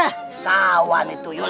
ah sawan itu yul